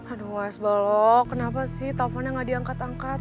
aduh wasbalok kenapa sih telfonnya gak diangkat angkat